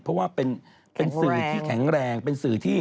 เพราะว่าเป็นสื่อที่แข็งแรงเป็นสื่อที่